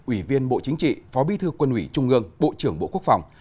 ủy viên bộ chính trị phó bí thư quân ủy trung ương bộ trưởng bộ quốc phòng